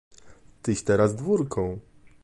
"Tyś teraz dwórką!..."